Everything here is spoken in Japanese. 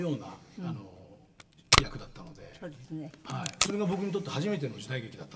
それが僕にとって初めての時代劇だったんですよ。